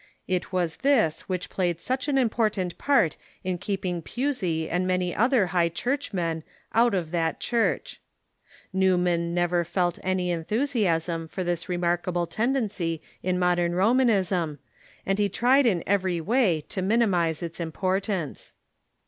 It was this which played such an important part in keeping Pusey and many other High Churchmen out of that Church. Kewman never felt any enthusiasm for this remark able tendency in modern Romanism, and he tried in every way to minimize its importance.